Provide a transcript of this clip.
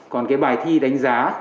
còn bài thi đánh giá